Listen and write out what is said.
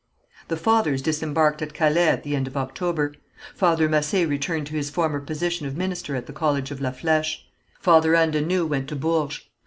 The fathers disembarked at Calais at the end of October. Father Massé returned to his former position of minister at the college of La Flèche. Father Anne de Noüe went to Bourges.